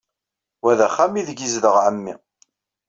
Wa d axxam aydeg yezdeɣ ɛemmi.